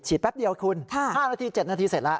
แป๊บเดียวคุณ๕นาที๗นาทีเสร็จแล้ว